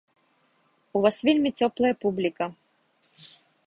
У вас вельмі цёплая публіка!